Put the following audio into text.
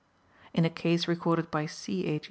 In a case recorded by C.H.